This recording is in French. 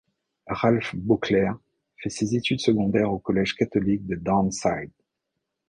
Ralph Beauclerk fait ses études secondaires au collège catholique de Downside.